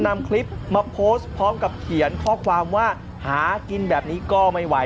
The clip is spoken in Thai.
มิตเตอร์หรือเปล่า